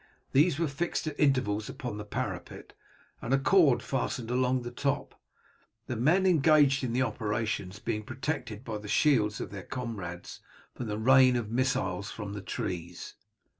These were fixed at intervals upon the parapet, and a cord fastened along the top, the men engaged in the operations being protected by the shields of their comrades from the rain of missiles from the trees.